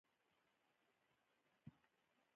بانک چیرته دی؟